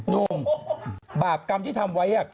หนุ่มบาปกรรมที่ทำไว้